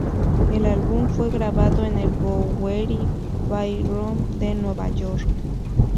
El álbum fue grabado en el Bowery Ballroom de Nueva York.